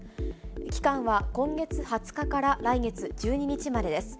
期間は今月２０日から来月１２日までです。